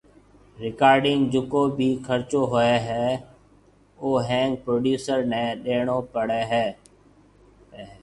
رڪارڊنگ جڪو بِي خرچو ھوئي ھيَََ او ۿينگ پروڊيوسر ني ڏيڻو پي ھيَََ